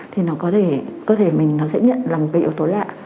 thì nó có thể cơ thể mình nó sẽ nhận là một cái yếu tố lạ